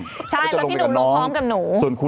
พี่หนูลงพร้อมกับหนูก็จะลงไปกับน้องใช่แล้วพี่หนูลงพร้อมกับหนู